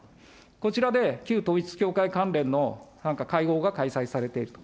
こちらで旧統一教会関連のなんか会合が開催されていると。